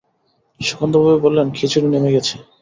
সুধাকান্তবাবু বললেন, খিচুড়ি নেমে গেছে।